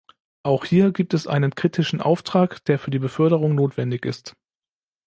Auch hier gibt es einen kritischen Auftrag, der für die Beförderung notwendig ist.